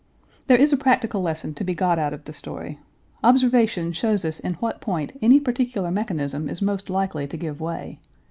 There is a practical lesson to be got out of the story. Observation shows us in what point any particular mechanism is most likely to give way.